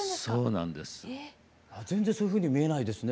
全然そういうふうには見えないですね。